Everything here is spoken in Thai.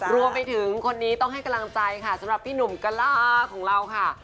รวมไปถึงคนนี้ต้องให้กำลังใจค่ะสำหรับพี่หนุ่มกะล่าของเราค่ะ